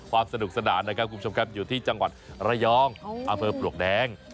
สนุกสนานนะครับคุณผู้ชมครับอยู่ที่จังหวัดระยองอำเภอปลวกแดง